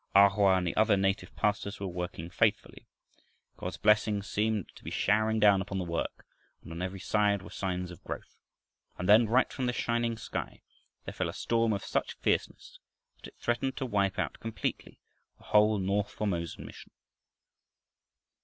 A Hoa and the other native pastors were working faithfully. God's blessing seemed to be showering down upon the work and on every side were signs of growth. And then, right from this shining sky, there fell a storm of such fierceness that it threatened to wipe out completely the whole north Formosan mission.